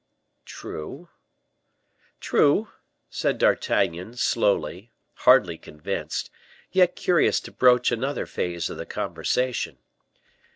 "True, true," said D'Artagnan, slowly, hardly convinced, yet curious to broach another phase of the conversation.